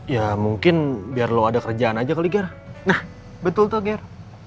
ya mungkin biar lu ada kerjaan aja kali gara nah betul toger